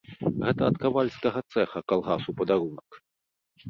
Гэта ад кавальскага цэха калгасу падарунак!